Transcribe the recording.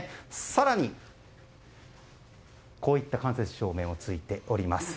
更にこういった間接照明もついております。